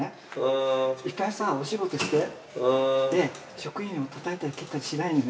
職員をたたいたり蹴ったりしないでね。